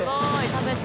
食べた。